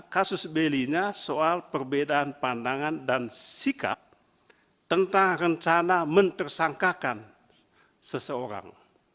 kasus belinya soal perbedaan pandangan dan sikap tentang rencana mentersangkakan seseorang